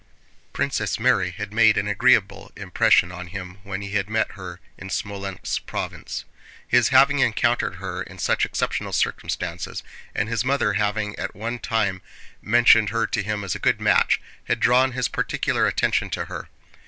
Princess Mary had made an agreeable impression on him when he had met her in Smolénsk province. His having encountered her in such exceptional circumstances, and his mother having at one time mentioned her to him as a good match, had drawn his particular attention to her.